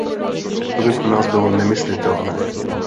To by pro nás bylo nemyslitelné.